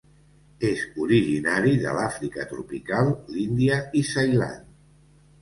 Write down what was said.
És originari de l'Àfrica tropical, l'Índia i Ceilan.